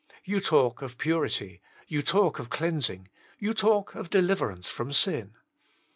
You talk of purity, you talk of cleansing, you talk of deliverance from sin.